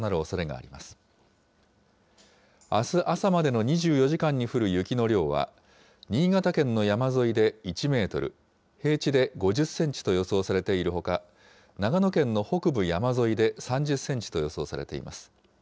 あす朝までの２４時間に降る雪の量は、新潟県の山沿いで１メートル、平地で５０センチと予想されているほか、長野県の北部山沿いで３０センチと予想されています。